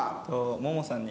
ももさんに。